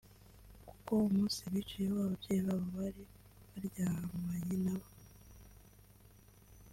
kuko umunsi biciyeho ababyeyi babo bari baryamanye nabo